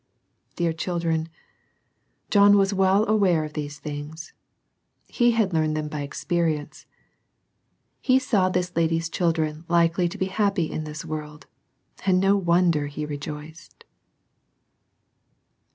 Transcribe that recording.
Dear children, John was well aware of these things. He had learned them by experience. He saw this lady's children likely to be happy in this world, and no wonder he rejoiced.